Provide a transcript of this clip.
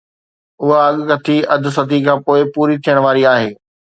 اها اڳڪٿي اڌ صديءَ کان پوءِ پوري ٿيڻ واري آهي.